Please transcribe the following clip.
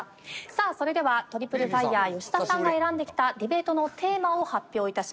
さあそれではトリプルファイヤー吉田さんが選んできたディベートのテーマを発表致します。